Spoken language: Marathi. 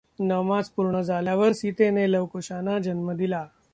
नवमास पूर्ण झाल्यावर सीतेने लव कुशाना जन्म दिला.